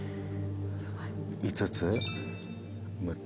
５つ６つ。